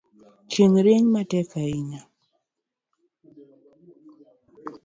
Chieng’ rieny matek ahinya